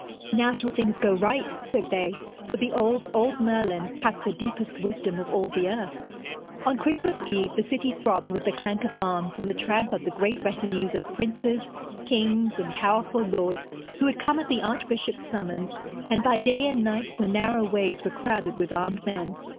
'Now shall things go right,' said they, 'for the old, old Merlin hath the deepest wisdom of all the earth.' On Christmas Eve the city throbbed with the clank of arms and the tramp of the great retinues of princes, kings and powerful lords who had come at the archbishop's summons, and by day and night the narrow ways were crowded with armed men.